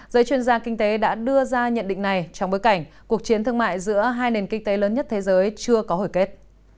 giới chuyên gia kinh tế đã đưa ra nhận định này trong bối cảnh cuộc chiến thương mại giữa hai nền kinh tế lớn nhất thế giới chưa có hồi kết